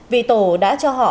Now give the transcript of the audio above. vì tổ đã cho họ